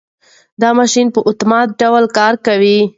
دا ماشین په اتومات ډول کار کوي.